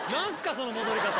その戻り方。